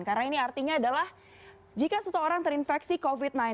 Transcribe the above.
karena ini artinya adalah jika seseorang terinfeksi covid sembilan belas